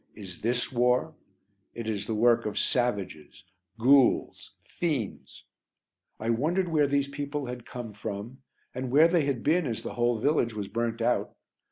Is this war? It is the work of savages, ghouls, fiends. I wondered where these people had come from and where they had been as the whole village was burnt out.